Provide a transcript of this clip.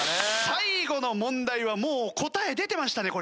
最後の問題はもう答え出てましたね